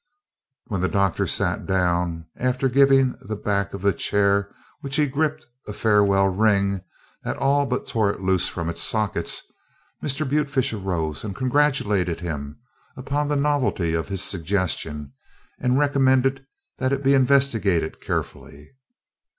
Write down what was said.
When the doctor sat down, after giving the back of the chair which he gripped a farewell wring that all but tore it loose from its sockets, Mr. Butefish arose and congratulated him upon the novelty of his suggestion and recommended that it be investigated carefully.